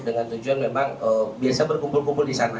dengan tujuan memang biasa berkumpul kumpul di sana